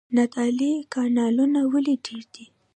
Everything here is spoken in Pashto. نادعلي کانالونه ولې ډیر دي؟